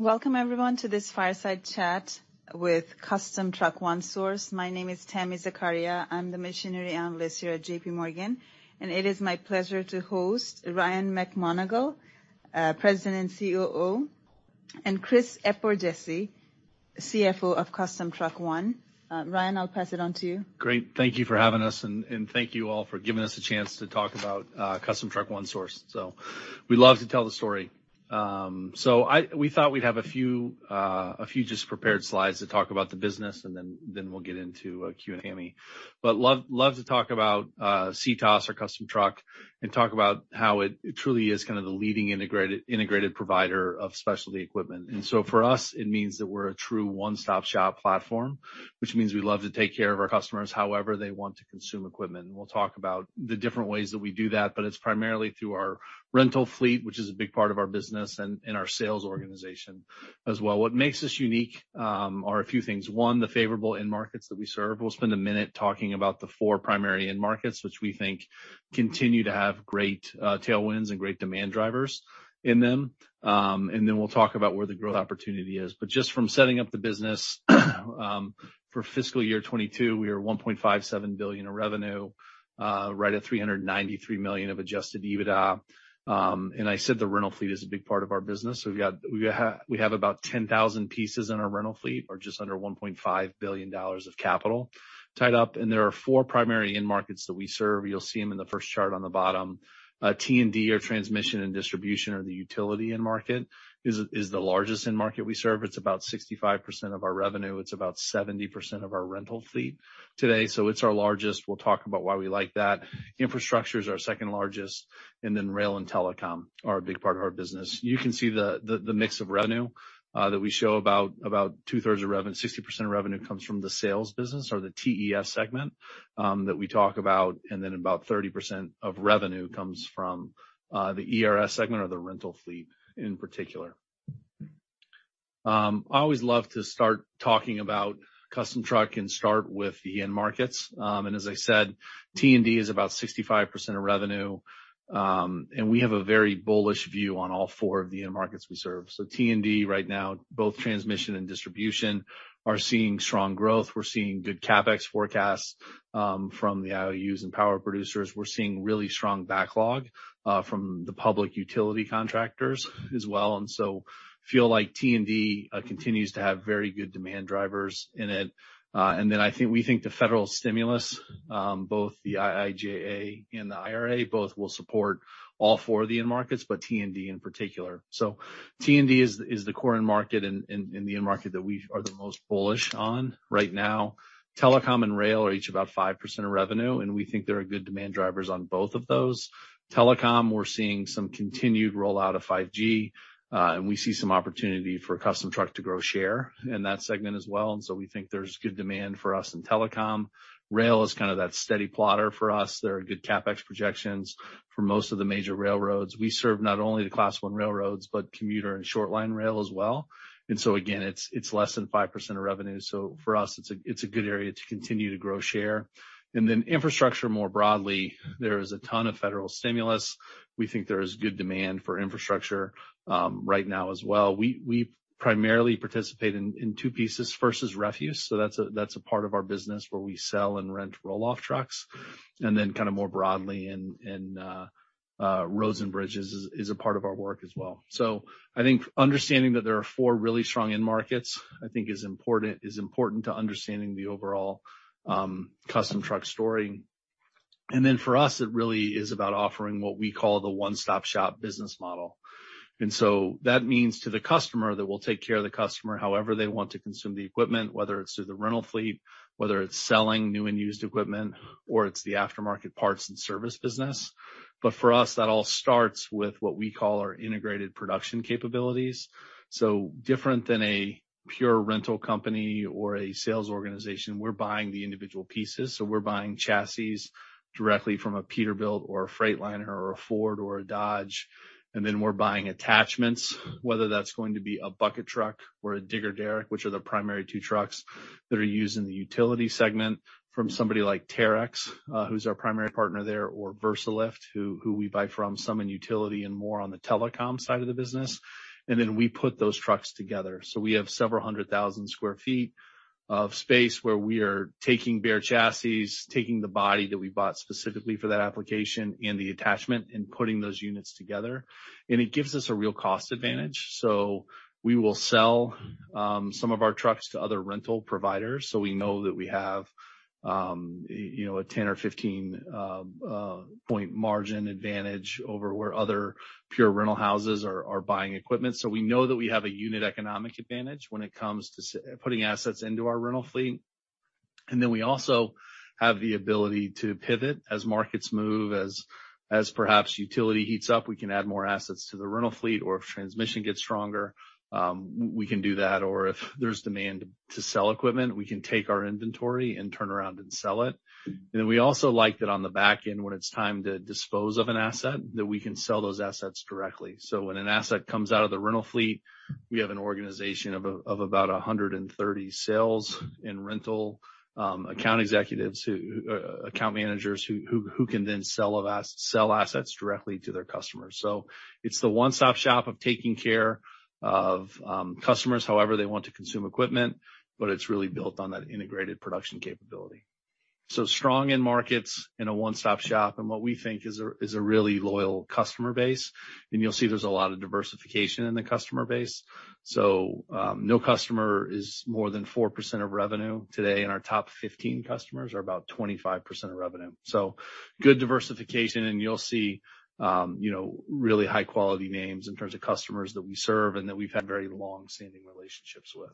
Welcome everyone to this fireside chat with Custom Truck One Source. My name is Tami Zakaria. I'm the machinery analyst here at J.P. Morgan. It is my pleasure to host Ryan McMonagle, President and COO, and Chris Eperjesy, CFO of Custom Truck One. Ryan, I'll pass it on to you. Great. Thank you for having us, and thank you all for giving us a chance to talk about Custom Truck One Source. We love to tell the story. We thought we'd have a few just prepared slides to talk about the business, and then we'll get into a Q&A. Love to talk about CTOS or Custom Truck, and talk about how it truly is kind of the leading integrated provider of specialty equipment. For us, it means that we're a true one-stop-shop platform, which means we love to take care of our customers however they want to consume equipment. We'll talk about the different ways that we do that, but it's primarily through our rental fleet, which is a big part of our business, and our sales organization as well. What makes us unique are a few things. One, the favorable end markets that we serve. We'll spend a minute talking about the four primary end markets, which we think continue to have great tailwinds and great demand drivers in them. Then we'll talk about where the growth opportunity is. Just from setting up the business, for fiscal year 2022, we are $1.57 billion in revenue, right at $393 million of Adjusted EBITDA. I said the rental fleet is a big part of our business. We have about 10,000 pieces in our rental fleet or just under $1.5 billion of capital tied up, there are four primary end markets that we serve. You'll see them in the first chart on the bottom. T&D or transmission and distribution or the utility end market is the largest end market we serve. It's about 65% of our revenue. It's about 70% of our rental fleet today. It's our largest. We'll talk about why we like that. Infrastructure is our second-largest, and then rail and telecom are a big part of our business. You can see the mix of revenue that we show about 2/3 of revenue. 60% of revenue comes from the sales business or the TES segment that we talk about, and then about 30% of revenue comes from the ERS segment or the rental fleet in particular. I always love to start talking about Custom Truck and start with the end markets. As I said, T&D is about 65% of revenue, and we have a very bullish view on all four of the end markets we serve. T&D right now, both transmission and distribution, are seeing strong growth. We're seeing good CapEx forecasts from the IOUs and power producers. We're seeing really strong backlog from the public utility contractors as well. Feel like T&D continues to have very good demand drivers in it. I think, we think the federal stimulus, both the IIJA and the IRA, both will support all four of the end markets, but T&D in particular. T&D is the core end market and the end market that we are the most bullish on right now. Telecom and rail are each about 5% of revenue, and we think there are good demand drivers on both of those. Telecom, we're seeing some continued rollout of 5G, and we see some opportunity for Custom Truck to grow share in that segment as well. We think there's good demand for us in telecom. Rail is kind of that steady plotter for us. There are good CapEx projections for most of the major railroads. We serve not only the Class I railroads, but commuter and short line rail as well. Again, it's less than 5% of revenue. For us, it's a good area to continue to grow share. Infrastructure more broadly, there is a ton of federal stimulus. We think there is good demand for infrastructure right now as well. We primarily participate in 2 pieces. First is refuse. That's a part of our business where we sell and rent roll-off trucks. Kind of more broadly in roads and bridges is a part of our work as well. I think understanding that there are 4 really strong end markets, I think is important to understanding the overall Custom Truck story. For us, it really is about offering what we call the one-stop shop business model. That means to the customer that we'll take care of the customer however they want to consume the equipment, whether it's through the rental fleet, whether it's selling new and used equipment, or it's the aftermarket parts and service business. For us, that all starts with what we call our integrated production capabilities. Different than a pure rental company or a sales organization, we're buying the individual pieces. We're buying chassis directly from a Peterbilt or a Freightliner or a Ford or a Dodge, and then we're buying attachments, whether that's going to be a bucket truck or a digger derrick, which are the primary two trucks that are used in the utility segment from somebody like Terex, who's our primary partner there, or Versalift, who we buy from some in utility and more on the telecom side of the business. Then we put those trucks together. We have several hundred thousand sq ft of space where we are taking bare chassis, taking the body that we bought specifically for that application and the attachment, and putting those units together. It gives us a real cost advantage. We will sell, some of our trucks to other rental providers. We know that we have, you know, a 10 or 15 point margin advantage over where other pure rental houses are buying equipment. We know that we have a unit economic advantage when it comes to putting assets into our rental fleet. We also have the ability to pivot as markets move. As perhaps utility heats up, we can add more assets to the rental fleet, if transmission gets stronger, we can do that. If there's demand to sell equipment, we can take our inventory and turn around and sell it. We also like that on the back end, when it's time to dispose of an asset, that we can sell those assets directly. When an asset comes out of the rental fleet, we have an organization of about 130 sales and rental account executives who account managers who can then sell assets directly to their customers. It's the one-stop shop of taking care of customers however they want to consume equipment, but it's really built on that integrated production capability. Strong end markets in a one-stop shop and what we think is a really loyal customer base. You'll see there's a lot of diversification in the customer base. No customer is more than 4% of revenue today, and our top 15 customers are about 25% of revenue. Good diversification, and you'll see, you know, really high quality names in terms of customers that we serve and that we've had very long-standing relationships with.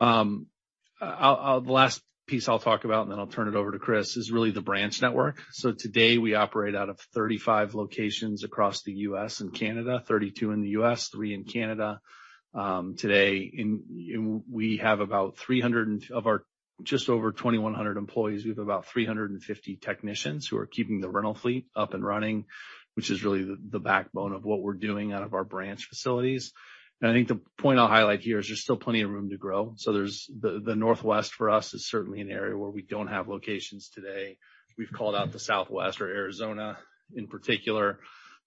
The last piece I'll talk about, and then I'll turn it over to Chris, is really the branch network. Today we operate out of 35 locations across the U.S. and Canada, 32 in the U.S., 3 in Canada. Of our just over 2,100 employees, we have about 350 technicians who are keeping the rental fleet up and running, which is really the backbone of what we're doing out of our branch facilities. I think the point I'll highlight here is there's still plenty of room to grow. There's the Northwest for us is certainly an area where we don't have locations today. We've called out the Southwest or Arizona in particular,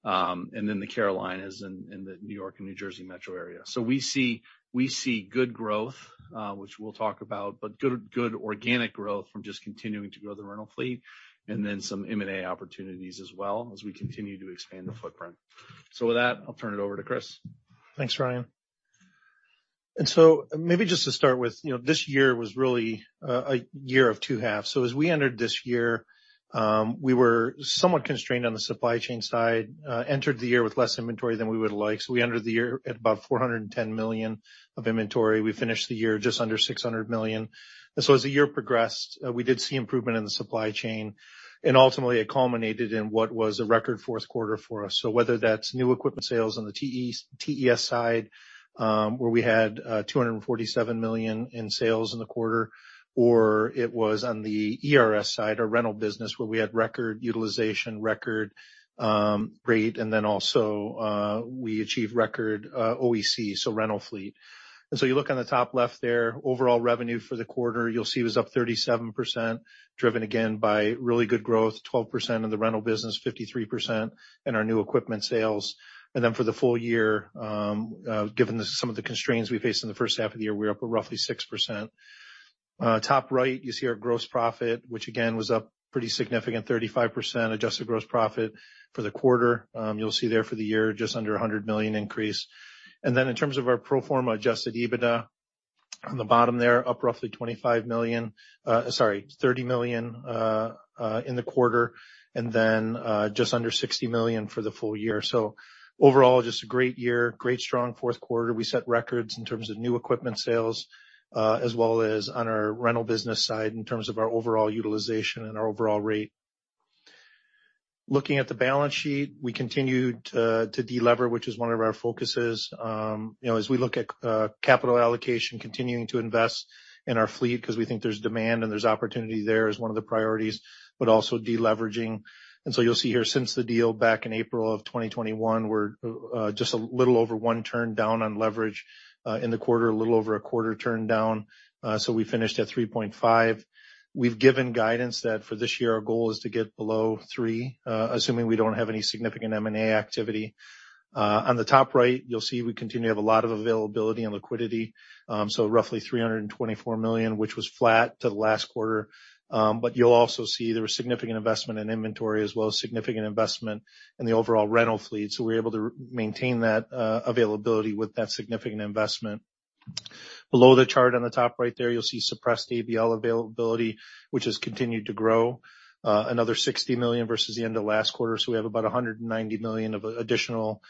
and then the Carolinas and the New York and New Jersey metro area. We see good growth, which we'll talk about, but good organic growth from just continuing to grow the rental fleet and then some M&A opportunities as well as we continue to expand the footprint. With that, I'll turn it over to Chris. Thanks, Ryan. Maybe just to start with, you know, this year was really a year of two halves. As we entered this year, we were somewhat constrained on the supply chain side, entered the year with less inventory than we would've liked. We entered the year at about $410 million of inventory. We finished the year just under $600 million. As the year progressed, we did see improvement in the supply chain, and ultimately it culminated in what was a record fourth quarter for us. Whether that's new equipment sales on the TE, TES side, where we had $247 million in sales in the quarter, or it was on the ERS side or rental business, where we had record utilization, record rate, and then also, we achieved record OEC, so rental fleet. You look on the top left there, overall revenue for the quarter you'll see was up 37%, driven again by really good growth, 12% in the rental business, 53% in our new equipment sales. For the full year, given some of the constraints we faced in the first half of the year, we're up at roughly 6%. Top right, you see our gross profit, which again was up pretty significant, 35% Adjusted Gross Profit for the quarter. You'll see there for the year just under a $100 million increase. In terms of our pro forma adjusted EBITDA, on the bottom there, up roughly $25 million, sorry, $30 million in the quarter, just under $60 million for the full year. Overall, just a great year, great strong fourth quarter. We set records in terms of new equipment sales, as well as on our rental business side in terms of our overall utilization and our overall rate. Looking at the balance sheet, we continued to de-lever, which is one of our focuses. You know, as we look at capital allocation, continuing to invest in our fleet 'cause we think there's demand and there's opportunity there is one of the priorities, but also de-leveraging. You'll see here since the deal back in April 2021, we're just a little over 1 turn down on leverage in the quarter, a little over a quarter turn down. We finished at 3.5. We've given guidance that for this year our goal is to get below 3, assuming we don't have any significant M&A activity. On the top right, you'll see we continue to have a lot of availability and liquidity, so roughly $324 million, which was flat to the last quarter. You'll also see there was significant investment in inventory as well as significant investment in the overall rental fleet. We're able to maintain that availability with that significant investment. Below the chart on the top right there, you'll see suppressed ABL availability, which has continued to grow, another $60 million versus the end of last quarter. We have about $190 million of additional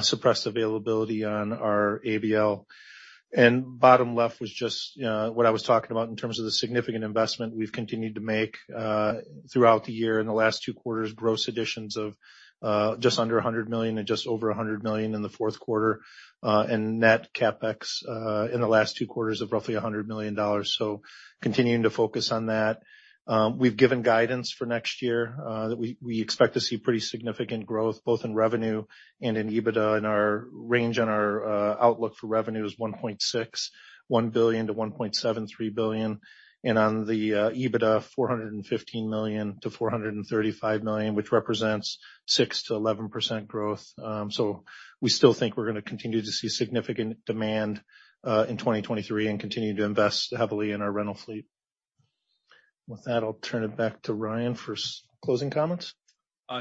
suppressed availability on our ABL. Bottom left was just what I was talking about in terms of the significant investment we've continued to make throughout the year in the last two quarters, gross additions of just under $100 million and just over $100 million in the fourth quarter, and net CapEx in the last two quarters of roughly $100 million. Continuing to focus on that. We've given guidance for next year that we expect to see pretty significant growth both in revenue and in EBITDA, and our range on our outlook for revenue is $1.61 billion to $1.73 billion. On the EBITDA, $415 million to $435 million, which represents 6%-11% growth. We still think we're gonna continue to see significant demand in 2023 and continue to invest heavily in our rental fleet. With that, I'll turn it back to Ryan for closing comments.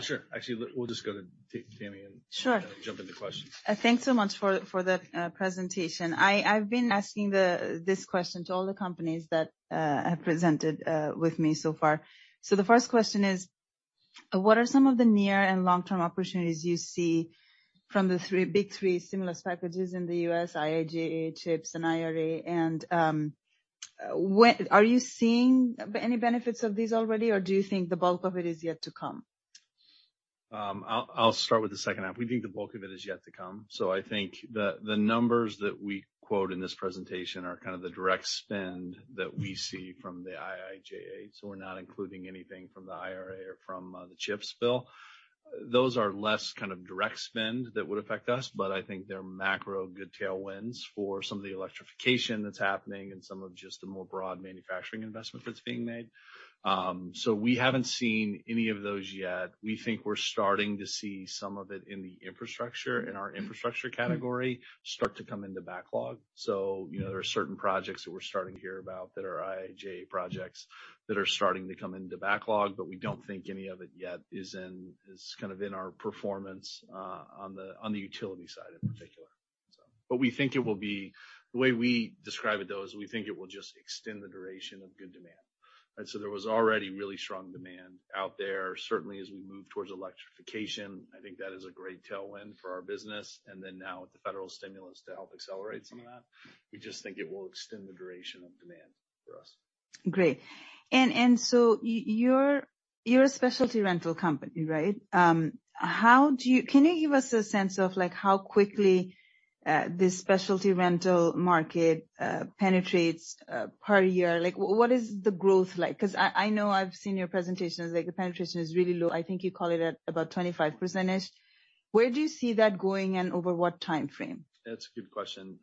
Sure. Actually, we'll just go to Tami. Sure. jump into questions. Thanks so much for the presentation. I've been asking this question to all the companies that have presented with me so far. The first question is, what are some of the near and long-term opportunities you see from the big three stimulus packages in the U.S., IIJA, CHIPS and IRA? Are you seeing any benefits of these already, or do you think the bulk of it is yet to come? I'll start with the second half. We think the bulk of it is yet to come. I think the numbers that we quote in this presentation are kind of the direct spend that we see from the IIJA, so we're not including anything from the IRA or from the CHIPS bill. Those are less kind of direct spend that would affect us, but I think they're macro good tailwinds for some of the electrification that's happening and some of just the more broad manufacturing investment that's being made. We haven't seen any of those yet. We think we're starting to see some of it in the infrastructure, in our infrastructure category start to come into backlog. You know, there are certain projects that we're starting to hear about that are IIJA projects that are starting to come into backlog, we don't think any of it yet is kind of in our performance on the, on the utility side in particular. We think it will be. The way we describe it, though, is we think it will just extend the duration of good demand. There was already really strong demand out there. Certainly, as we move towards electrification, I think that is a great tailwind for our business. Now with the federal stimulus to help accelerate some of that, we just think it will extend the duration of demand for us. Great. You're a specialty rental company, right? Can you give us a sense of, like, how quickly this specialty rental market penetrates per year? What is the growth like? Because I know I've seen your presentations, like, the penetration is really low. I think you call it at about 25%. Where do you see that going and over what timeframe? That's a good question.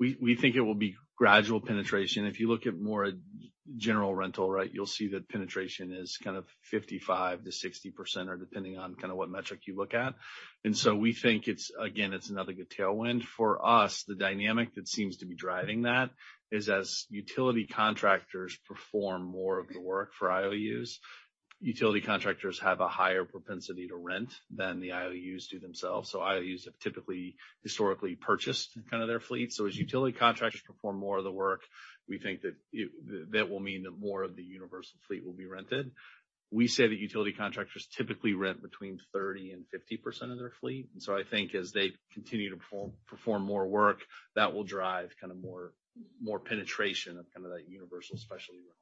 We think it will be gradual penetration. If you look at more general rental, right, you'll see that penetration is kind of 55%-60% or depending on kind of what metric you look at. We think again, it's another good tailwind. For us, the dynamic that seems to be driving that is as utility contractors perform more of the work for IOUs, utility contractors have a higher propensity to rent than the IOUs do themselves. IOUs have typically historically purchased kind of their fleet. As utility contractors perform more of the work, we think that that will mean that more of the universal fleet will be rented. We say that utility contractors typically rent between 30% and 50% of their fleet. I think as they continue to perform more work, that will drive kind of more penetration of kind of that universal specialty rental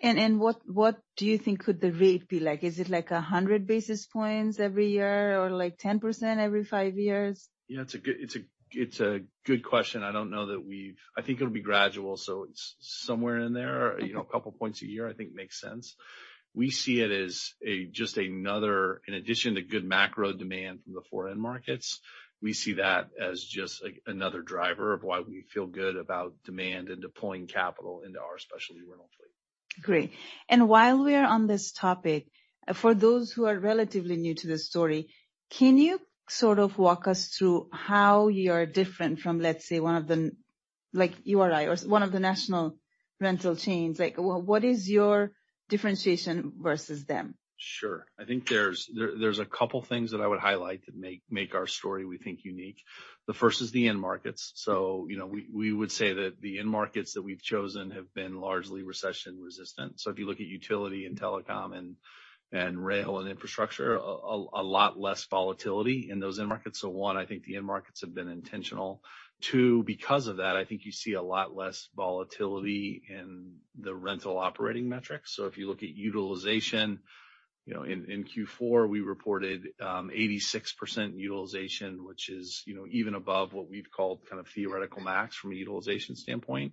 fleet. What do you think could the rate be like? Is it like 100 basis points every year or like 10% every five years? Yeah, it's a good question. I don't know that we've. I think it'll be gradual, so it's somewhere in there. You know, a couple points a year I think makes sense. We see it as just another in addition to good macro demand from the foreign markets, we see that as just another driver of why we feel good about demand and deploying capital into our specialty rental fleet. Great. While we are on this topic, for those who are relatively new to this story, can you sort of walk us through how you're different from, let's say, one of the... like URI or one of the national rental chains? What is your differentiation versus them? Sure. I think there's a couple things that I would highlight that make our story, we think, unique. The first is the end markets. You know, we would say that the end markets that we've chosen have been largely recession-resistant. If you look at utility and telecom and rail and infrastructure, a lot less volatility in those end markets. One, I think the end markets have been intentional. Two, because of that, I think you see a lot less volatility in the rental operating metrics. If you look at utilization, you know, in Q4, we reported 86% utilization, which is, you know, even above what we've called kind of theoretical max from a utilization standpoint.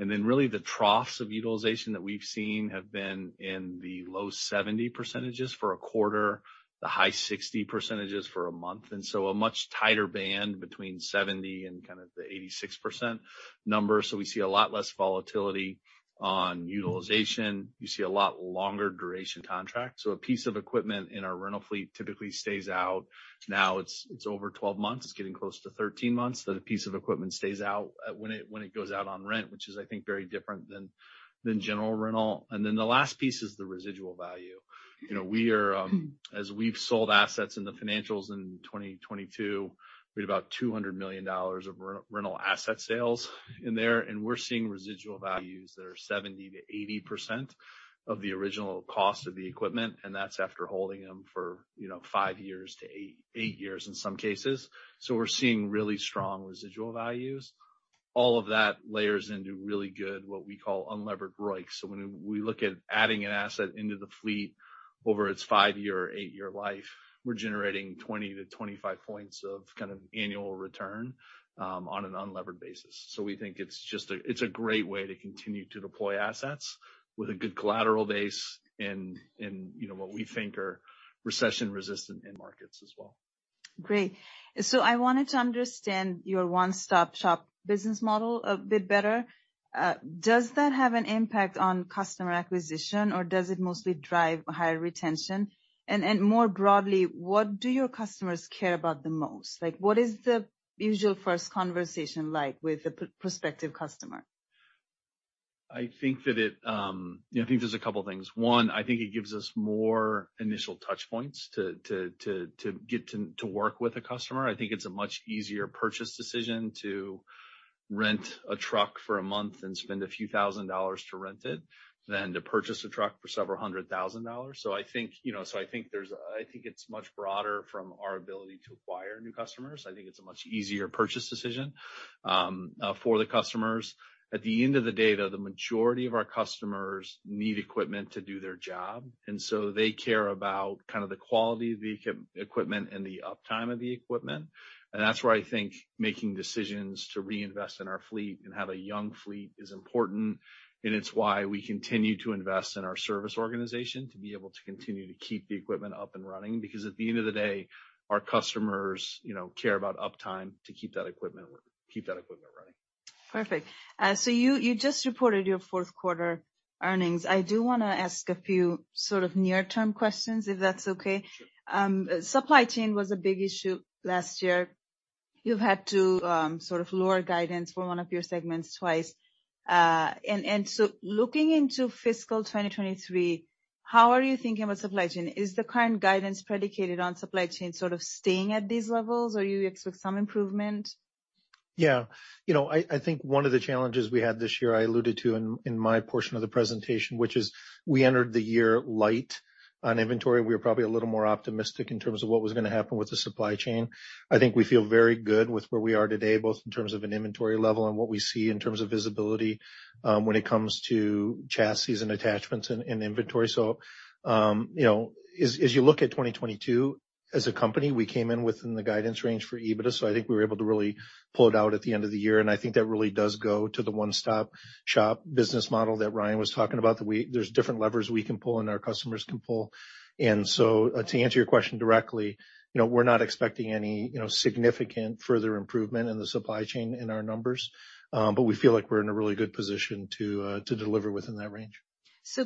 Really the troughs of utilization that we've seen have been in the low 70% for a quarter, the high 60% for a month. A much tighter band between 70 and kind of the 86% number. We see a lot less volatility on utilization. You see a lot longer duration contracts. A piece of equipment in our rental fleet typically stays out, now it's over 12 months. It's getting close to 13 months that a piece of equipment stays out when it goes out on rent, which is I think very different than general rental. The last piece is the residual value. You know, we are, as we've sold assets in the financials in 2022, we had about $200 million of re-rental asset sales in there. We're seeing residual values that are 70%-80% of the original cost of the equipment. That's after holding them for, you know, 5 years to 8 years in some cases. We're seeing really strong residual values. All of that layers into really good, what we call unlevered ROIC. When we look at adding an asset into the fleet over its 5-year or 8-year life, we're generating 20-25 points of kind of annual return on an unlevered basis. We think it's just a great way to continue to deploy assets with a good collateral base and you know, what we think are recession-resistant end markets as well. Great. I wanted to understand your one-stop shop business model a bit better. Does that have an impact on customer acquisition, or does it mostly drive higher retention? More broadly, what do your customers care about the most? Like, what is the usual first conversation like with a prospective customer? I think that it,... You know, I think there's a couple things. One, I think it gives us more initial touch points to get to work with a customer. I think it's a much easier purchase decision to rent a truck for a month and spend a few thousand dollars to rent it than to purchase a truck for several hundred thousand dollars. I think, you know, so I think it's much broader from our ability to acquire new customers. I think it's a much easier purchase decision for the customers. At the end of the day, though, the majority of our customers need equipment to do their job, and so they care about kind of the quality of the equipment and the uptime of the equipment. That's where I think making decisions to reinvest in our fleet and have a young fleet is important, and it's why we continue to invest in our service organization to be able to continue to keep the equipment up and running. At the end of the day, our customers, you know, care about uptime to keep that equipment running. Perfect. You just reported your fourth quarter earnings. I do want to ask a few sort of near-term questions, if that's okay. Supply chain was a big issue last year. You've had to sort of lower guidance for one of your segments twice. Looking into fiscal 2023, how are you thinking about supply chain? Is the current guidance predicated on supply chain sort of staying at these levels, or you expect some improvement? You know, I think one of the challenges we had this year, I alluded to in my portion of the presentation, which is we entered the year light on inventory. We were probably a little more optimistic in terms of what was going to happen with the supply chain. I think we feel very good with where we are today, both in terms of an inventory level and what we see in terms of visibility when it comes to chassis and attachments in inventory. you know, as you look at 2022 as a company, we came in within the guidance range for EBITDA, so I think we were able to really pull it out at the end of the year, and I think that really does go to the one-stop shop business model that Ryan was talking about, there's different levers we can pull and our customers can pull. To answer your question directly, you know, we're not expecting any, you know, significant further improvement in the supply chain in our numbers, but we feel like we're in a really good position to deliver within that range.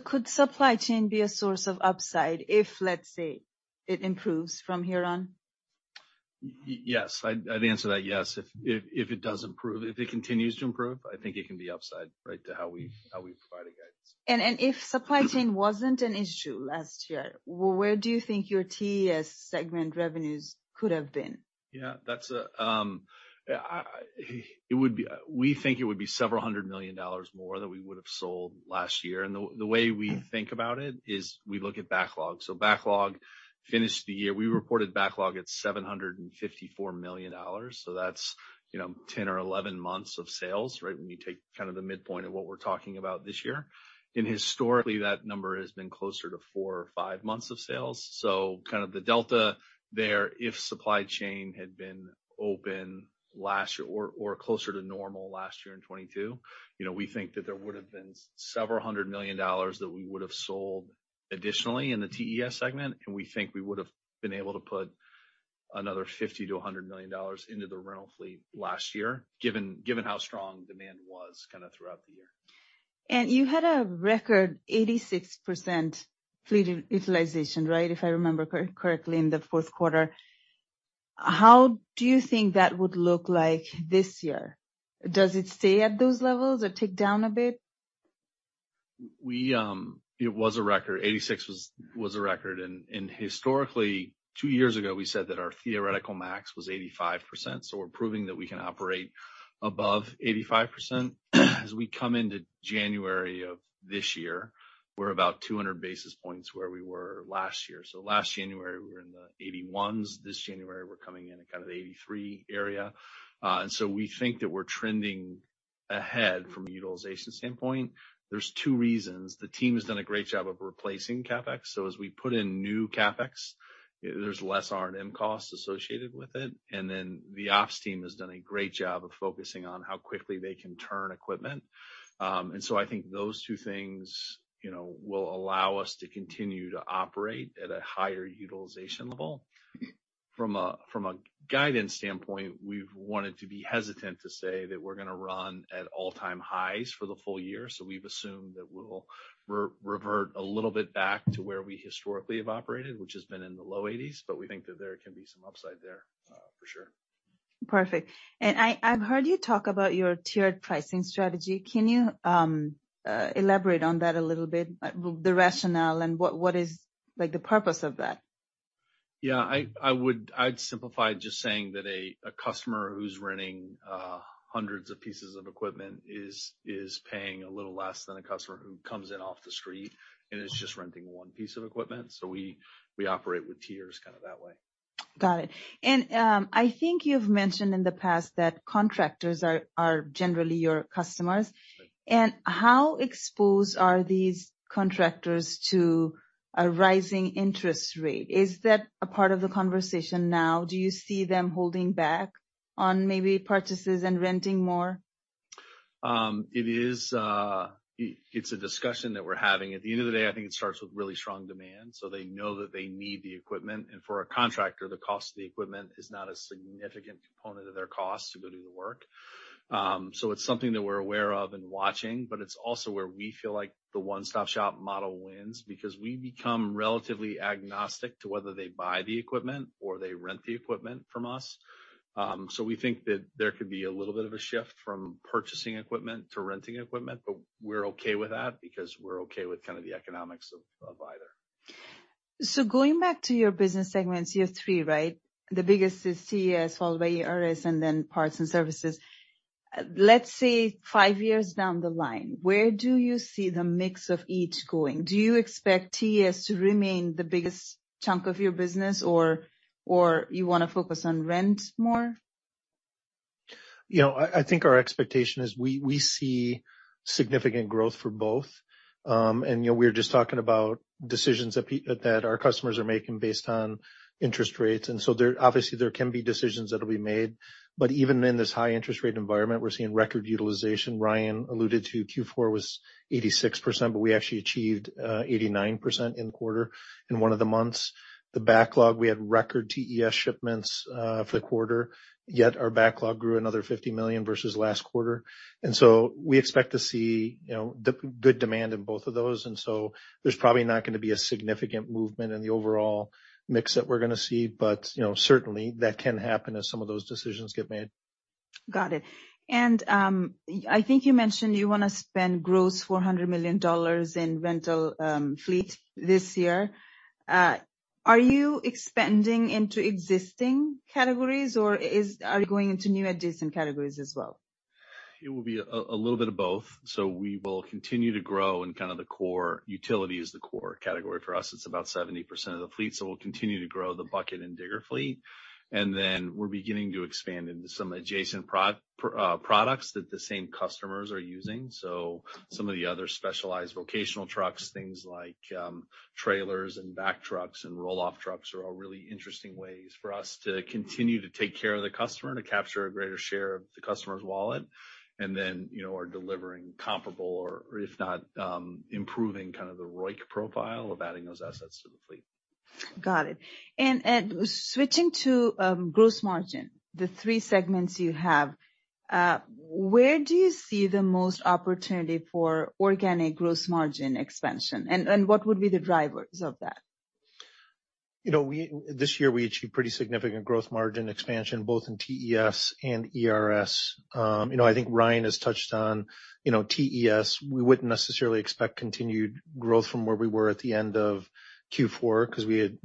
Could supply chain be a source of upside if, let's say, it improves from here on? Yes. I'd answer that yes. If it does improve, if it continues to improve, I think it can be upside, right, to how we provided guidance. If supply chain wasn't an issue last year, where do you think your TES segment revenues could have been? Yeah. That's, we think it would be several hundred million dollars more that we would've sold last year. The, the way we think about it is we look at backlog. Backlog finished the year. We reported backlog at $754 million, so that's, you know, 10 or 11 months of sales, right? When you take kind of the midpoint of what we're talking about this year. Historically, that number has been closer to four or five months of sales. Kind of the delta there, if supply chain had been open last year or closer to normal last year in 2022, you know, we think that there would've been $several hundred million that we would've sold additionally in the TES segment, and we think we would've been able to put another $50 million-$100 million into the rental fleet last year, given how strong demand was kinda throughout the year. You had a record 86% fleet utilization, right? If I remember correctly in the fourth quarter. How do you think that would look like this year? Does it stay at those levels or tick down a bit? It was a record. 86 was a record. Historically, 2 years ago, we said that our theoretical max was 85%, so we're proving that we can operate above 85%. As we come into January of this year, we're about 200 basis points where we were last year. Last January, we were in the 81s. This January, we're coming in at kind of the 83 area. We think that we're trending ahead from a utilization standpoint. There's 2 reasons. The team has done a great job of replacing CapEx. As we put in new CapEx, there's less R&M costs associated with it. Then the ops team has done a great job of focusing on how quickly they can turn equipment. I think those two things, you know, will allow us to continue to operate at a higher utilization level. From a guidance standpoint, we've wanted to be hesitant to say that we're gonna run at all-time highs for the full year, so we've assumed that we'll revert a little bit back to where we historically have operated, which has been in the low 80s, but we think that there can be some upside there for sure. Perfect. I've heard you talk about your tiered pricing strategy. Can you elaborate on that a little bit? The rationale and what is, like, the purpose of that? Yeah. I'd simplify it just saying that a customer who's renting hundreds of pieces of equipment is paying a little less than a customer who comes in off the street and is just renting one piece of equipment. We operate with tiers kinda that way. Got it. I think you've mentioned in the past that contractors are generally your customers. Right. How exposed are these contractors to a rising interest rate? Is that a part of the conversation now? Do you see them holding back on maybe purchases and renting more? It is a discussion that we're having. At the end of the day, I think it starts with really strong demand, so they know that they need the equipment. For a contractor, the cost of the equipment is not a significant component of their cost to go do the work. So it's something that we're aware of and watching, but it's also where we feel like the one-stop shop model wins because we become relatively agnostic to whether they buy the equipment or they rent the equipment from us. So we think that there could be a little bit of a shift from purchasing equipment to renting equipment, but we're okay with that because we're okay with kinda the economics of either. Going back to your business segments, you have 3, right? The biggest is TES, followed by APS, and then parts and services. Let's say 5 years down the line, where do you see the mix of each going? Do you expect TES to remain the biggest chunk of your business or you wanna focus on rent more? You know, I think our expectation is we see significant growth for both. You know, we were just talking about decisions that our customers are making based on interest rates, and so obviously, there can be decisions that'll be made. Even in this high interest rate environment, we're seeing record utilization. Ryan alluded to Q4 was 86%, but we actually achieved 89% in the quarter in one of the months. The backlog, we had record TES shipments for the quarter, yet our backlog grew another $50 million versus last quarter. We expect to see, you know, the good demand in both of those. There's probably not gonna be a significant movement in the overall mix that we're gonna see. You know, certainly that can happen as some of those decisions get made. Got it. I think you mentioned you wanna spend gross $400 million in rental fleet this year. Are you expanding into existing categories, or are you going into new adjacent categories as well? It will be a little bit of both. We will continue to grow in kind of the core. Utility is the core category for us. It's about 70% of the fleet, so we'll continue to grow the bucket and digger fleet. Then we're beginning to expand into some adjacent products that the same customers are using. Some of the other specialized vocational trucks, things like trailers and vac trucks and roll-off trucks are all really interesting ways for us to continue to take care of the customer, to capture a greater share of the customer's wallet, then, you know, are delivering comparable or if not, improving kind of the ROIC profile of adding those assets to the fleet. Got it. Switching to, gross margin, the three segments you have, where do you see the most opportunity for organic gross margin expansion? What would be the drivers of that? You know, we, this year we achieved pretty significant growth margin expansion, both in TES and ERS. You know, I think Ryan has touched on, you know, TES. We wouldn't necessarily expect continued growth from where we were at the end of Q4 'cause we had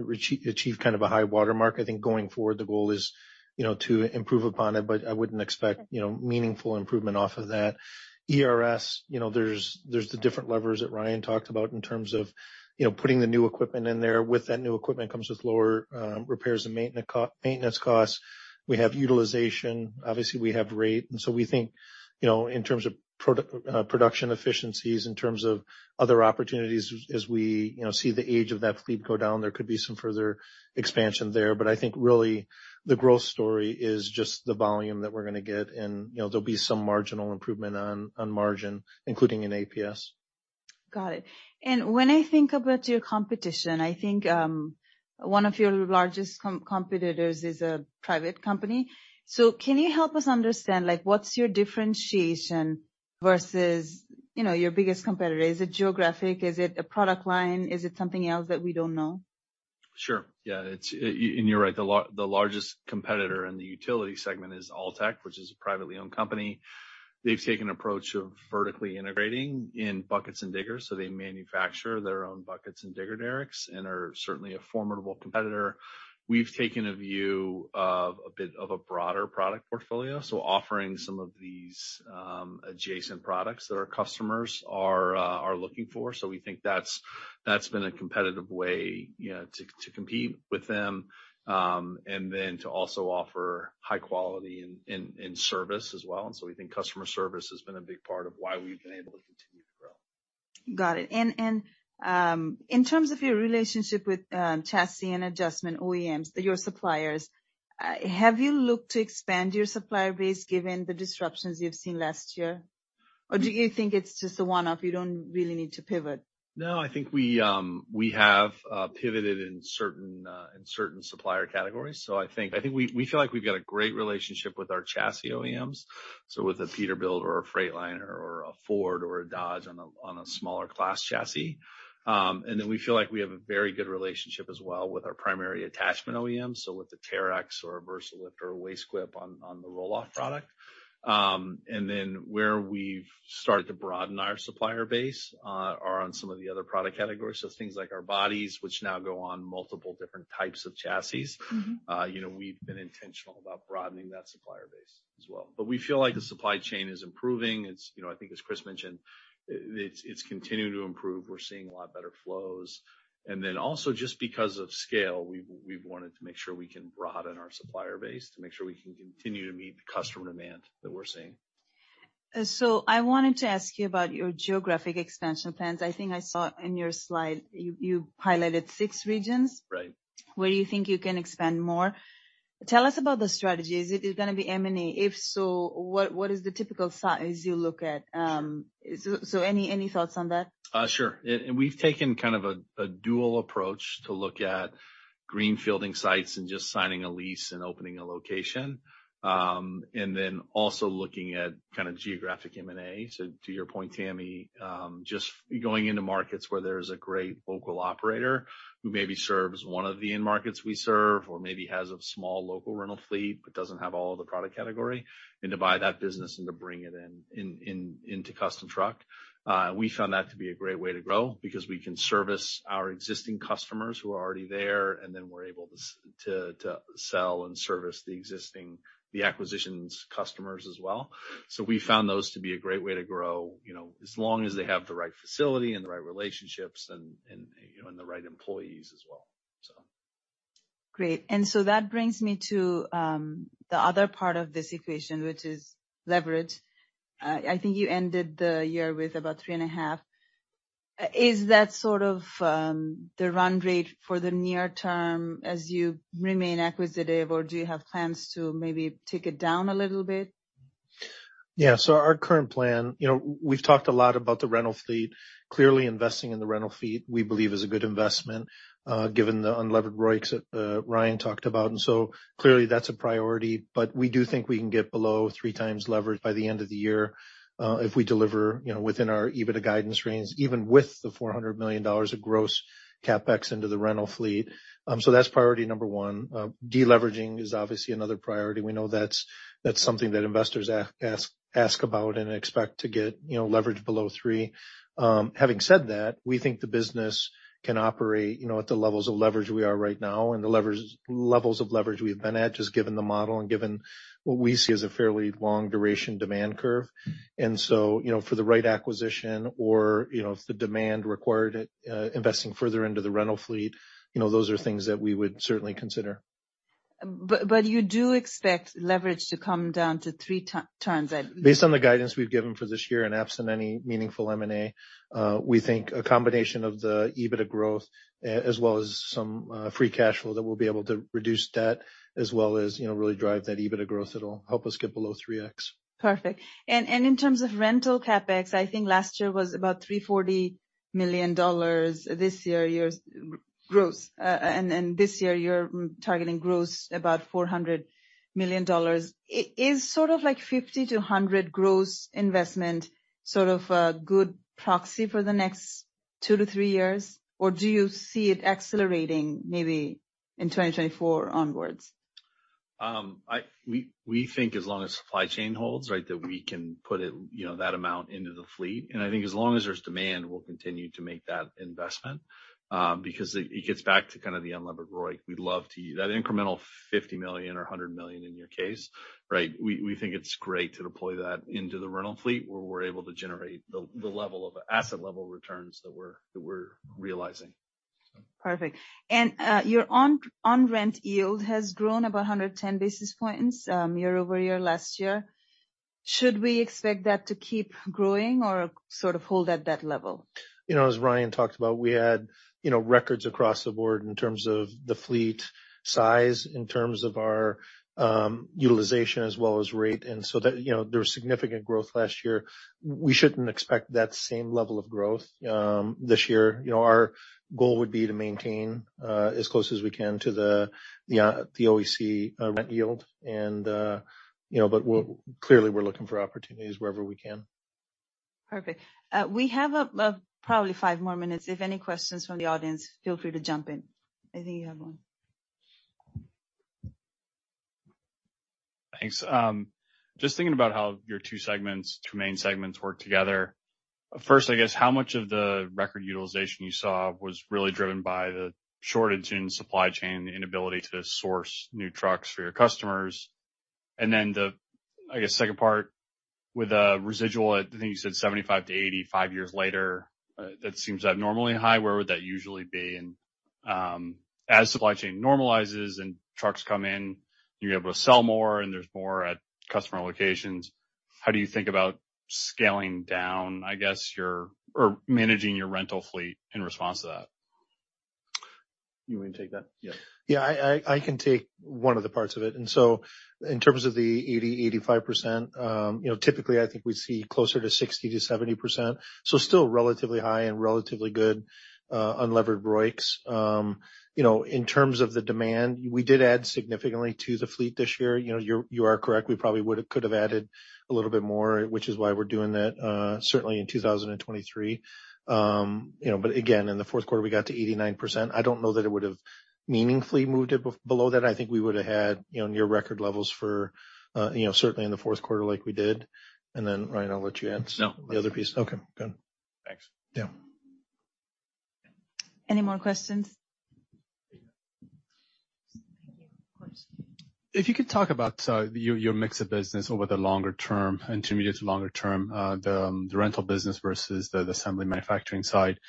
achieved kind of a high watermark. I think going forward the goal is, you know, to improve upon it, but I wouldn't expect, you know, meaningful improvement off of that. ERS, you know, there's the different levers that Ryan talked about in terms of, you know, putting the new equipment in there. With that new equipment comes with lower repairs and maintenance costs. We have utilization. Obviously, we have rate. We think, you know, in terms of production efficiencies, in terms of other opportunities as we, you know, see the age of that fleet go down, there could be some further expansion there. I think really the growth story is just the volume that we're gonna get and, you know, there'll be some marginal improvement on margin, including in APS. Got it. When I think about your competition, I think, one of your largest competitors is a private company. Can you help us understand, like, what's your differentiation versus, you know, your biggest competitor? Is it geographic? Is it a product line? Is it something else that we don't know? Sure. Yeah, it's. You're right. The largest competitor in the utility segment is Altec, which is a privately owned company. They've taken approach of vertically integrating in buckets and diggers, so they manufacture their own buckets and digger derricks and are certainly a formidable competitor. We've taken a view of a bit of a broader product portfolio, so offering some of these adjacent products that our customers are looking for. We think that's been a competitive way, you know, to compete with them, and then to also offer high quality in service as well. We think customer service has been a big part of why we've been able to continue to grow. Got it. In terms of your relationship with chassis and adjustment OEMs, your suppliers, have you looked to expand your supplier base given the disruptions you've seen last year? Do you think it's just a one-off, you don't really need to pivot? I think we have pivoted in certain supplier categories. I think we feel like we've got a great relationship with our chassis OEMs, so with a Peterbilt or a Freightliner or a Ford or a Dodge on a smaller class chassis. We feel like we have a very good relationship as well with our primary attachment OEMs, so with the Terex or a Versalift or a Wastequip on the roll-off product. Where we've started to broaden our supplier base, are on some of the other product categories. Things like our bodies, which now go on multiple different types of chassis. Mm-hmm. You know, we've been intentional about broadening that supplier base as well. We feel like the supply chain is improving. It's, you know, I think as Chris mentioned, it's continuing to improve. We're seeing a lot better flows. Also just because of scale, we've wanted to make sure we can broaden our supplier base to make sure we can continue to meet the customer demand that we're seeing. I wanted to ask you about your geographic expansion plans. I think I saw in your slide you highlighted six regions. Right. Where do you think you can expand more? Tell us about the strategy. Is it gonna be M&A? If so, what is the typical size you look at? Any thoughts on that? Sure. We've taken kind of a dual approach to look at greenfielding sites and just signing a lease and opening a location. Then also looking at kinda geographic M&A. To your point, Tami Zakaria, just going into markets where there's a great local operator who maybe serves one of the end markets we serve or maybe has a small local rental fleet but doesn't have all the product category, and to buy that business and to bring it into Custom Truck. We found that to be a great way to grow because we can service our existing customers who are already there, and then we're able to sell and service the existing, the acquisitions customers as well. We found those to be a great way to grow, you know, as long as they have the right facility and the right relationships and, you know, and the right employees as well, so. Great. That brings me to the other part of this equation, which is leverage. I think you ended the year with about 3.5. Is that sort of the run rate for the near term as you remain acquisitive, or do you have plans to maybe take it down a little bit? Our current plan, you know, we've talked a lot about the rental fleet. Clearly, investing in the rental fleet, we believe is a good investment, given the unlevered ROIC that Ryan talked about. Clearly that's a priority. We do think we can get below 3 times leverage by the end of the year, if we deliver, you know, within our EBITDA guidance range, even with the $400 million of gross CapEx into the rental fleet. That's priority number one. De-leveraging is obviously another priority. We know that's something that investors ask about and expect to get, you know, leverage below 3. Having said that, we think the business can operate, you know, at the levels of leverage we are right now and the levels of leverage we've been at, just given the model and given what we see as a fairly long duration demand curve. You know, for the right acquisition or, you know, if the demand required, investing further into the rental fleet, you know, those are things that we would certainly consider. You do expect leverage to come down to 3 times then? Based on the guidance we've given for this year and absent any meaningful M&A, we think a combination of the EBITDA growth as well as some free cash flow that we'll be able to reduce debt as well as, you know, really drive that EBITDA growth, it'll help us get below 3x. Perfect. In terms of rental CapEx, I think last year was about $340 million. This year, your growth, and this year you're targeting growth about $400 million. Is sort of like $50 million-$100 million growth investment sort of a good proxy for the next 2-3 years? Do you see it accelerating maybe in 2024 onwards? We think as long as supply chain holds, right, that we can put it, you know, that amount into the fleet. I think as long as there's demand, we'll continue to make that investment because it gets back to kind of the unlevered ROIC. We'd love to. That incremental $50 million or $100 million in your case, right? We think it's great to deploy that into the rental fleet where we're able to generate the level of asset level returns that we're realizing. Perfect. Your on-rent yield has grown about 110 basis points year-over-year last year. Should we expect that to keep growing or sort of hold at that level? You know, as Ryan talked about, we had, you know, records across the board in terms of the fleet size, in terms of our utilization as well as rate. That, you know, there was significant growth last year. We shouldn't expect that same level of growth this year. You know, our goal would be to maintain as close as we can to the OEC rent yield and, you know. Clearly we're looking for opportunities wherever we can. Perfect. We have probably five more minutes. If any questions from the audience, feel free to jump in. I think you have one. Thanks. Just thinking about how your 2 segments, 2 main segments work together. First, I guess, how much of the record utilization you saw was really driven by the shortage in supply chain, the inability to source new trucks for your customers? I guess, second part with the residual at, I think you said 75-85 years later, that seems abnormally high. Where would that usually be? As supply chain normalizes and trucks come in, you're able to sell more and there's more at customer locations, how do you think about scaling down, I guess, managing your rental fleet in response to that? You wanna take that? Yeah. Yeah. I can take one of the parts of it. In terms of the 80%-85%, you know, typically I think we see closer to 60%-70%, so still relatively high and relatively good, unlevered ROICs. You know, in terms of the demand, we did add significantly to the fleet this year. You know, you are correct. We probably could have added a little bit more, which is why we're doing that, certainly in 2023. You know, in the fourth quarter we got to 89%. I don't know that it would've meaningfully moved it below that. I think we would've had, you know, near record levels for, you know, certainly in the fourth quarter like we did. Ryan, I'll let you answer. No. The other piece. Okay, good. Thanks. Yeah. Any more questions? Thank you. Of course. If you could talk about your mix of business over the longer term, intermediate to longer term, the rental business versus the assembly manufacturing side.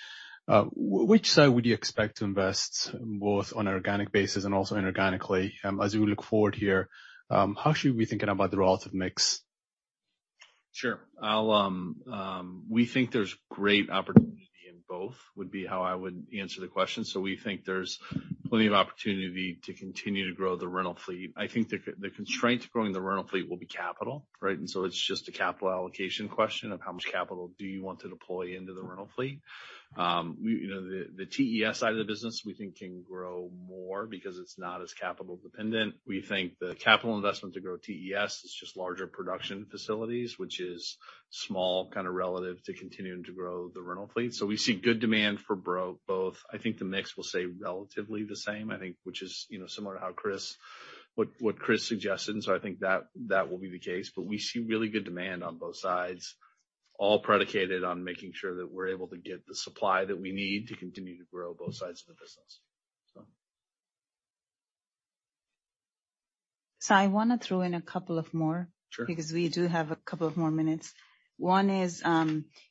Which side would you expect to invest both on an organic basis and also inorganically, as we look forward here, how should we be thinking about the relative mix? Sure. I'll, we think there's great opportunity in both, would be how I would answer the question. We think there's plenty of opportunity to continue to grow the rental fleet. I think the constraint to growing the rental fleet will be capital, right? It's just a capital allocation question of how much capital do you want to deploy into the rental fleet. You know, the TES side of the business we think can grow more because it's not as capital dependent. We think the capital investment to grow TES is just larger production facilities, which is small kinda relative to continuing to grow the rental fleet. We see good demand for both. I think the mix will stay relatively the same, I think, which is, you know, similar to how what Chris suggested. I think that will be the case. We see really good demand on both sides, all predicated on making sure that we're able to get the supply that we need to continue to grow both sides of the business, so. I wanna throw in a couple of more-. Sure. -because we do have a couple of more minutes. One is,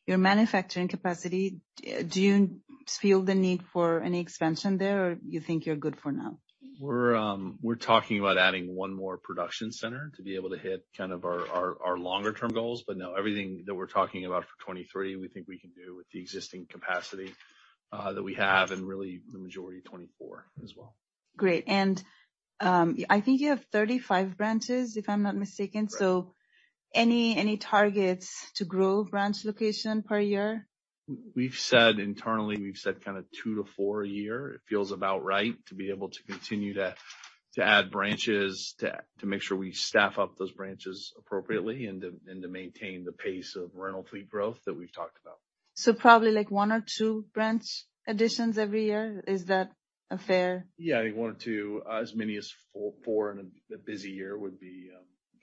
your manufacturing capacity, do you feel the need for any expansion there or you think you're good for now? We're talking about adding one more production center to be able to hit kind of our longer term goals. No, everything that we're talking about for 2023 we think we can do with the existing capacity that we have, and really the majority of 2024 as well. Great. I think you have 35 branches, if I'm not mistaken. Right. Any targets to grow branch location per year? We've said internally, we've said kinda 2-4 a year. It feels about right to be able to continue to add branches, to make sure we staff up those branches appropriately and to maintain the pace of rental fleet growth that we've talked about. Probably like 1 or 2 branch additions every year. Is that a fair- I think 1 or 2. As many as 4 in a busy year would be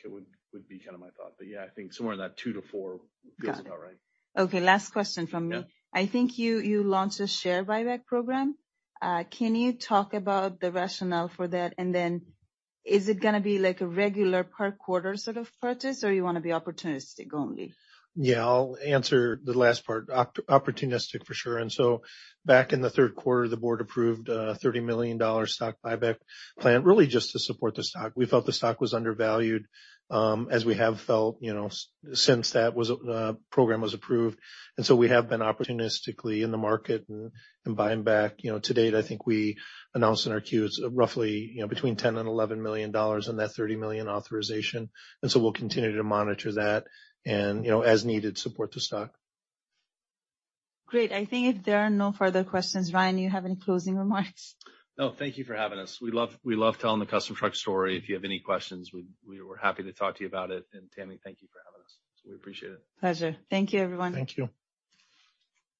kinda my thought. I think somewhere in that 2 to 4 feels about right. Got it. Okay, last question from me. Yeah. I think you launched a share buyback program. Can you talk about the rationale for that? Is it gonna be like a regular per quarter sort of purchase, or you wanna be opportunistic only? Yeah. I'll answer the last part. opportunistic for sure. Back in the third quarter, the board approved a $30 million stock buyback plan, really just to support the stock. We felt the stock was undervalued, as we have felt, you know, since that was program was approved. We have been opportunistically in the market and buying back. You know, to date, I think we announced in our Qs, roughly, you know, between $10 million and $11 million on that $30 million authorization. We'll continue to monitor that and, you know, as needed, support the stock. Great. I think if there are no further questions, Ryan, you have any closing remarks? No, thank you for having us. We love telling the Custom Truck story. If you have any questions, we're happy to talk to you about it. Tami, thank you for having us. We appreciate it. Pleasure. Thank you, everyone. Thank you.